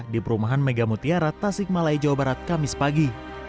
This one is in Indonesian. di perumahan mega mutiara tasik malaya jawa barat kamis pagi